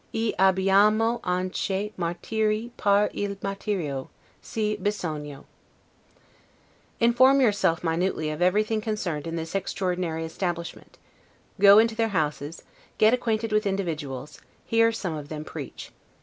'E abbiamo anche martiri per il martirio, se bisogna'. Inform yourself minutely of everything concerning this extraordinary establishment; go into their houses, get acquainted with individuals, hear some of them preach.